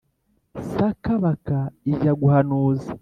saka baka ijya guhanuza